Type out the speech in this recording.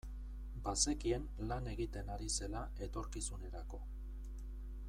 Bazekien lan egiten ari zela etorkizunerako.